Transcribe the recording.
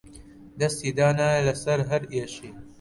دەستی دانایە لەسەر هەر ئێشێ